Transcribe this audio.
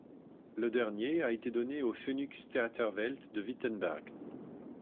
Le dernier a été donné au Phönix-Theaterwelt de Wittenberg.